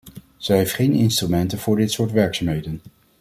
Zij heeft geen instrumenten voor dit soort werkzaamheden.